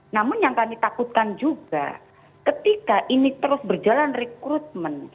namun yang kami takutkan juga ketika ini terus berjalan recruitment